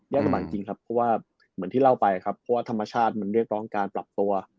ลำบากจริงครับเพราะว่าเหมือนที่เล่าไปครับเพราะว่าธรรมชาติมันเรียกร้องการปรับตัว